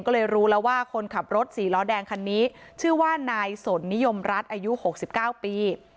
ก็เลยรู้แล้วว่าคนขับรถสี่ล้อแดงคันนี้ชื่อว่านายสนนิยมรัฐอายุ๖๙ปี